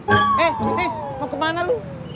eh kritis mau kemana lu